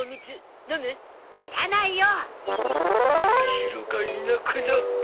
シロがいなくなった。